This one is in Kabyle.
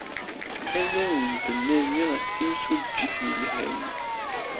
Ad awen-d-nadiɣ timsujjit yelhan.